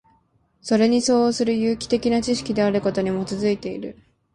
それに相応する有機的な知識であることに基いている。